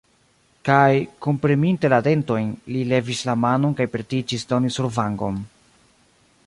Kaj, kunpreminte la dentojn, li levis la manon kaj pretiĝis doni survangon.